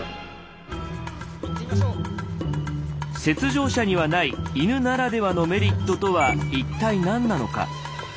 雪上車にはない犬ならではのメリットとは一体何なのか。